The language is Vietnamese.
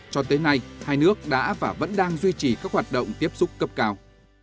cho tới nay hai nước đã và vẫn đang duy trì các hoạt động tiếp xúc cấp cao